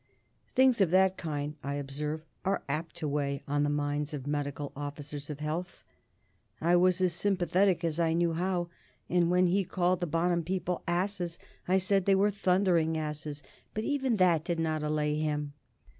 Things of that kind, I observe, are apt to weigh on the minds of Medical Officers of Health. I was as sympathetic as I knew how, and when he called the Bonham people "asses," I said they were "thundering asses," but even that did not allay him.